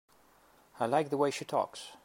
I like the way she talks.